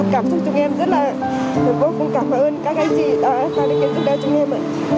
cảm ơn chúng em rất là vô vôn cảm ơn các anh chị đã xin giúp đỡ chúng em